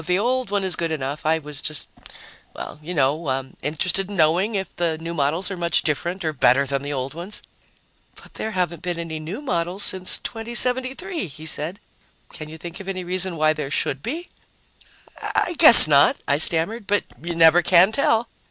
The the old one is good enough. I was just well, you know, interested in knowing if the new models are much different or better than the old ones." "But there haven't been any new models since 2073," he said. "Can you think of any reason why there should be?" "I guess not," I stammered. "But you never can tell."